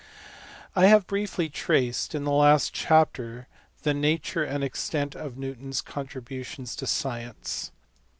I HAVE briefly traced in the last chapter the nature and extent of Newton s contributions to science.